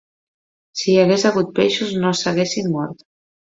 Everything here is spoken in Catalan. Si hi hagués hagut peixos no s'haguessin mort